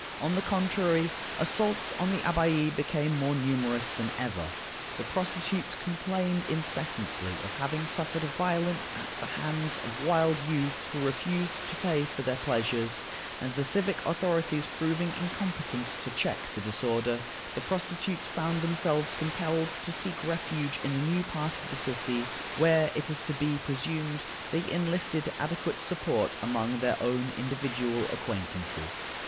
On the contrary, assaults on the Abbaye became more numerous than ever. The prostitutes complained incessantly of having suffered violence at the hands of wild youths who refused to pay for their pleasures; and the civic authorities proving incompetent to check the disorder, the prostitutes found themselves compelled to seek refuge in a new part of the city, where, it is to be presumed, they enlisted adequate support among their own individual acquaintances.